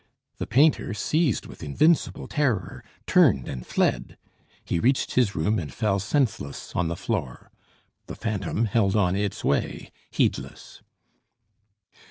The painter, seized with invincible terror, turned and fled. He reached his room, and fell senseless on the floor. The phantom held on its way, heedless.